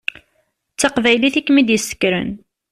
D taqbaylit i kem-id-yessekren.